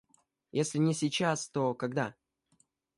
Если не сейчас, то когда?